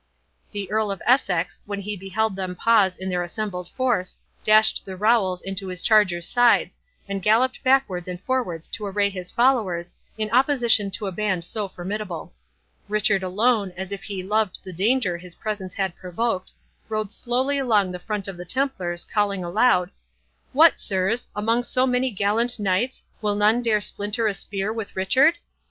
The Earl of Essex, when he beheld them pause in their assembled force, dashed the rowels into his charger's sides, and galloped backwards and forwards to array his followers, in opposition to a band so formidable. Richard alone, as if he loved the danger his presence had provoked, rode slowly along the front of the Templars, calling aloud, "What, sirs! Among so many gallant knights, will none dare splinter a spear with Richard?